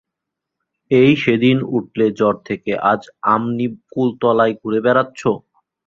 এই সেদিন উঠলে জ্বর থেকে আজ আমনি কুলতলায় ঘুরে বেড়াচ্চ!